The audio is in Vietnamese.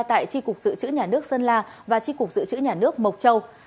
tại tri cục dự trữ nhà nước sơn la và tri cục dự trữ nhà nước mộc châu